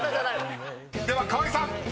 ［では河合さん］